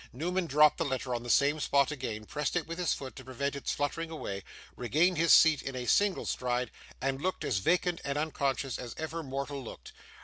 Newman dropped the letter on the same spot again, pressed it with his foot to prevent its fluttering away, regained his seat in a single stride, and looked as vacant and unconscious as ever mortal looked.